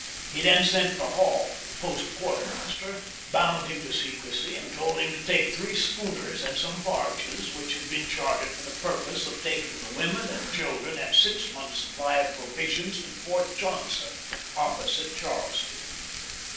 He then sent for Hall, the post quartermaster, bound him to secrecy, and told him to take three schooners and some barges which had been chartered for the purpose of taking the women and children and six months' supply of provisions to Fort Johnson, opposite Charleston.